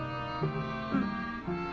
うん。